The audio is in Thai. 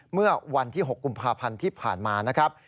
เมื่อวันที่๖กุมภาพันธ์ที่ผ่านมานะครับ